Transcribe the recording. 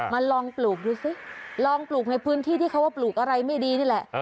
ลองปลูกดูสิลองปลูกในพื้นที่ที่เขาว่าปลูกอะไรไม่ดีนี่แหละ